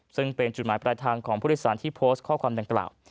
ซึ่งเป็นจุดหมายปลายทางของผู้โดยสารที่โพสต์ข้อความดังกล่าว